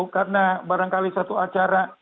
karena barangkali satu acara